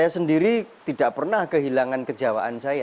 saya sendiri tidak pernah kehilangan kejawaan saya